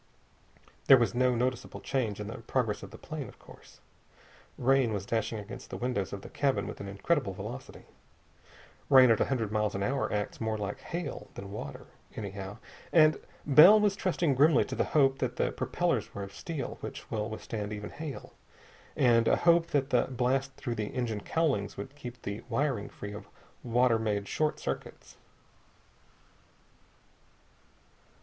There was no noticeable change in the progress of the plane, of course. Rain was dashing against the windows of the cabin with an incredible velocity. Rain at a hundred miles an hour acts more like hail than water, anyhow, and Bell was trusting grimly to the hope that the propellers were of steel, which will withstand even hail, and a hope that the blast through the engine cowlings would keep the wiring free of water made short circuits.